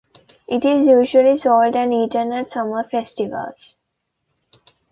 It is usually sold and eaten at summer festivals.